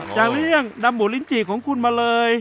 จางเร่งนำหมูลิ้นจี่ของคุณมาเลย